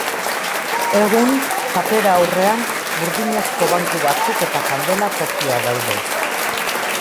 Egun, kapera aurrean burdinazko banku batzuk eta kandela tokia daude.